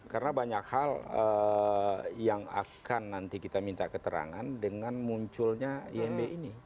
karena banyak hal yang akan nanti kita minta keterangan dengan munculnya imb ini